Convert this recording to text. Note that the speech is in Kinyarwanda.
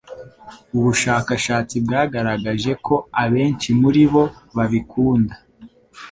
Ubushakashatsi bwagaragaje ko abenshi muribo babikunda